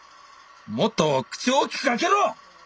もっと口を大きく開けろ！